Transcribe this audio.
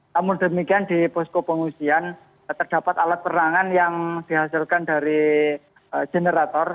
namun demikian di posko pengungsian terdapat alat perangan yang dihasilkan dari generator